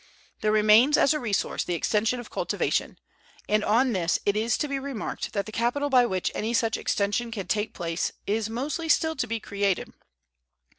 There remains, as a resource, the extension of cultivation. And on this it is to be remarked that the capital by which any such extension can take place is mostly still to be created.